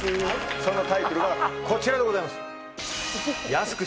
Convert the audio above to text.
そのタイトルがこちらでございます